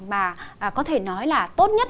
mà có thể nói là tốt nhất